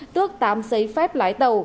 tước tám giấy phép lái tàu